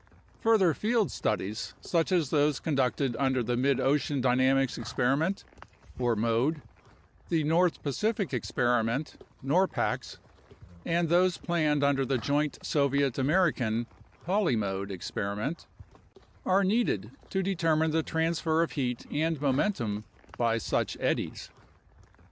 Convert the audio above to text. Further field studies such as those conducted under the Mid ocean Dynamics Experiment (mode), the North Pacific Experiment (norpax), and those planned under the joint Soviet American (polymode) experiment, are needed to determine the transfer of heat and momentum by such eddies.